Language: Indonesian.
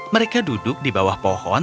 mereka duduk di bawah pohon